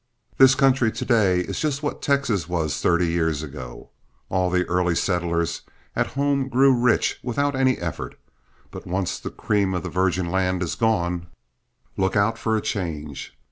This country to day is just what Texas was thirty years ago. All the early settlers at home grew rich without any effort, but once the cream of the virgin land is gone, look out for a change.